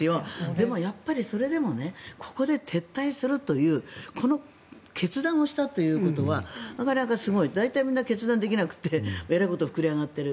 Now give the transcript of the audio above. でも、それでもここで撤退するというこの決断をしたということはなかなかすごい。大体みんな、決断できなくてえらいこと膨れ上がっている。